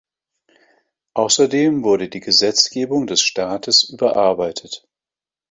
Außerdem wurde die Gesetzgebung des Staates überarbeitet.